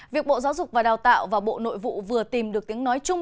việc bộ giáo dục và đào tạo và bộ nội vụ vừa tìm được tiếng nói chung